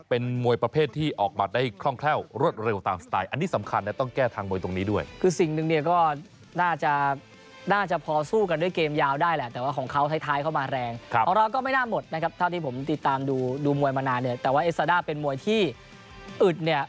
เป็นมวยประเภทที่ออกบัตรได้คล่องแคว่งรวดเร็วตามสไตล์